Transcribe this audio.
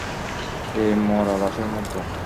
এই মরা লাশের মতো!